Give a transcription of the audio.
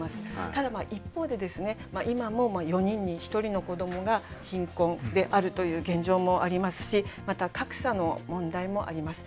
ただ一方で今も４人に１人の子どもが貧困であるという現状もありますしまた格差の問題もあります。